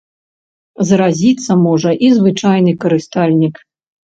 Заразіцца можа і звычайны карыстальнік.